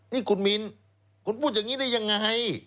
นี่คุณมินคุณพูดอย่างนี้ได้ยังไง